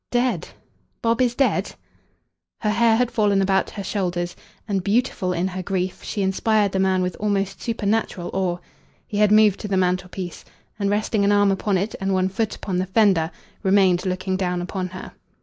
Dead! Bob is dead?" Her hair had fallen about her shoulders, and, beautiful in her grief, she inspired the man with almost supernatural awe. He had moved to the mantelpiece and, resting an arm upon it and one foot upon the fender, remained looking down upon her.